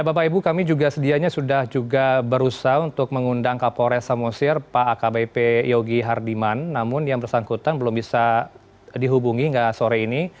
bapak ibu kami juga sedianya sudah juga berusaha untuk mengundang kapolres samosir pak akbp yogi hardiman namun yang bersangkutan belum bisa dihubungi nggak sore ini